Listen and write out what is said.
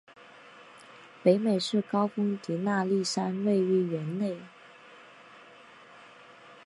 北美最高峰迪纳利山位于园内。